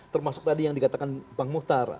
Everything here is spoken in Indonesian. termasuk tadi yang dikatakan bang muhtar